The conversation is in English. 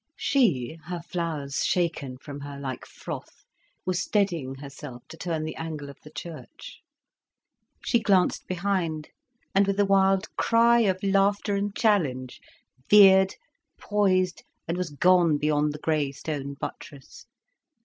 She, her flowers shaken from her like froth, was steadying herself to turn the angle of the church. She glanced behind, and with a wild cry of laughter and challenge, veered, poised, and was gone beyond the grey stone buttress.